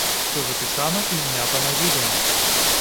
Усё запісана і знята на відэа.